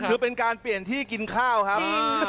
คือเป็นการเปลี่ยนที่กินข้าวครับ